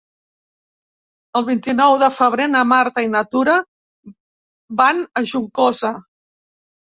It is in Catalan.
El vint-i-nou de febrer na Marta i na Tura van a Juncosa.